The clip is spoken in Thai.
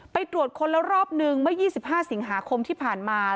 ตรวจค้นแล้วรอบนึงเมื่อ๒๕สิงหาคมที่ผ่านมา